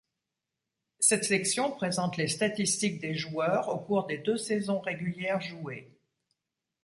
Cette section présente les statistiques des joueurs au cours des deux saisons régulières jouées.